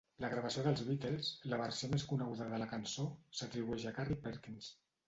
La gravació dels Beatles, la versió més coneguda de la cançó, s'atribueix a Carl Perkins.